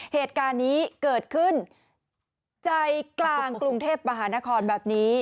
เหตุการณ์นี้เกิดขึ้นใจกลางกรุงเทพมหานครแบบนี้